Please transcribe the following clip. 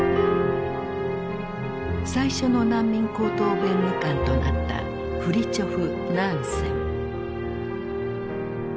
最初の難民高等弁務官となったフリチョフ・ナンセン。